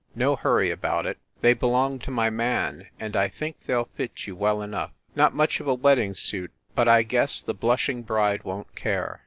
No hurry about it. They belong to my man, and I think they ll fit you well enough. Not much of a wedding suit, but I guess the blushing bride won t care.